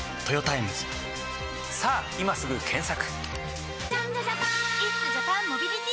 さぁ今すぐ検索！